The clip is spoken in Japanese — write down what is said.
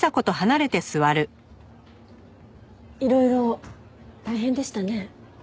いろいろ大変でしたね。